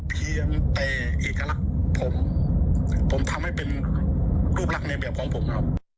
เพียงแต่เอกลักษณ์ผมผมทำให้เป็นรูปลักษณ์ในแบบของผมครับ